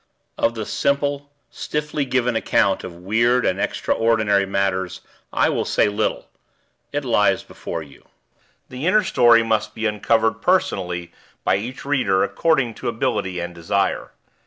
Of the simple, stiffly given account of weird and extraordinary matters, I will say little. It lies before you. The inner story must be uncovered, personally, by each reader, according to ability and desire.